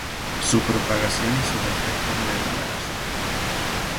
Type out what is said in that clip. su propagación y sus efectos en el embarazo